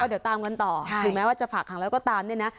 เดี๋ยวตามกันต่อถึงแม้ว่าจะฝากหางแล้วก็ตามเนี่ยนะ